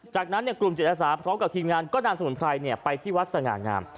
จากนั้นกลุ่มจิตอาสาพร้อมกับทีมงานก็นำสมุนไพรไปที่วัดสง่างาม